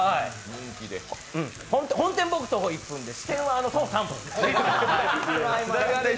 本店、僕、徒歩１分で、支店は徒歩３分です。